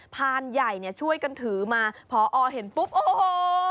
พานใหญ่เนี่ยช่วยกันถือมาพอเห็นปุ๊บโอ้โห